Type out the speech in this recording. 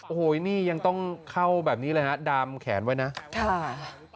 โอ้โหนี่ยังต้องเข้าแบบนี้เลยฮะดามแขนไว้นะค่ะ